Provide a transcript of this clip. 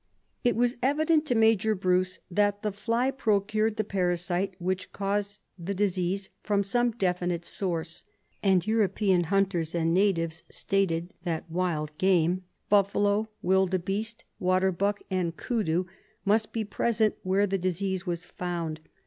It was evident to Major Bruce that the fly procured the parasite which caused the disease from some definite source, and European hunters and natives stated that wild game — buffalo, wildebeeste, water buck and koodoo — must be present where the disease was found.